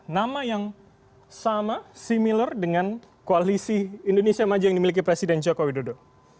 nama yang sama similar dengan koalisi indonesia maju yang dimiliki presiden joko widodo